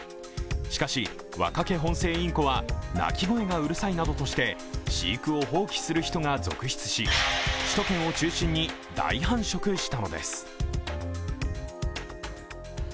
しかし、ワカケホンセイインコは鳴き声がうるさいなどとして飼育を放棄する人が続出し、首都圏を中心に大繁殖したのです。